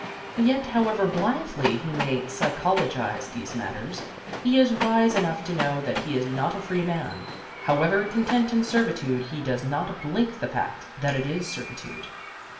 Yet, however blithely he may psychologize these matters, he is wise enough to know that he is not a free man. However content in servitude, he does not blink the fact that it is servitude.